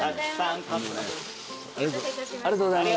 ありがとうございます。